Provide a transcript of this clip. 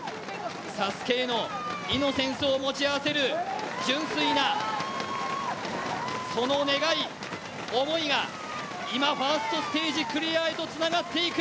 ＳＡＳＵＫＥへのイノセンスを持ち合わせる純粋なその願い、思いが今ファーストステージクリアへとつながっていく。